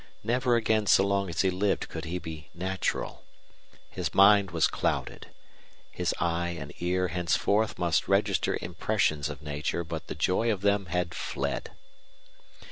Never again so long as he lived could he be natural. His mind was clouded. His eye and ear henceforth must register impressions of nature, but the joy of them had fled.